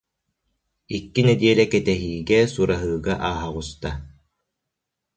Икки нэдиэлэ кэтэһиигэ, сураһыыга ааһа оҕуста